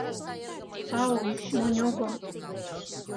— Тау, монь огыл.